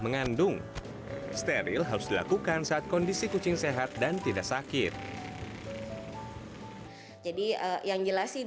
mengandung steril harus dilakukan saat kondisi kucing sehat dan tidak sakit jadi yang jelas sih